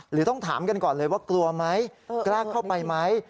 หรือต้องถามกันก่อนเลยว่ากลัวไหมกล้าเข้าไปไหม